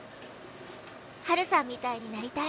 「ハルさんみたいになりたい」